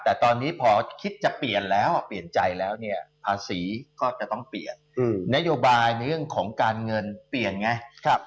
แต่ตอนนี้พอคิดจะเปลี่ยนแล้วเปลี่ยนใจแล้วเนี่ยภาษีก็จะต้องเปลี่ยนนโยบายในเรื่องของการเงินเปลี่ยนไง